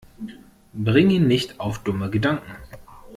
Bring ihn nicht auf dumme Gedanken!